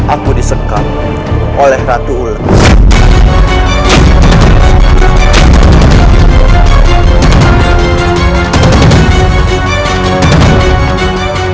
aku disekat oleh ratu ulam